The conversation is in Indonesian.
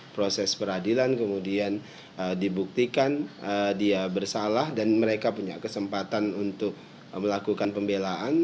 proses peradilan kemudian dibuktikan dia bersalah dan mereka punya kesempatan untuk melakukan pembelaan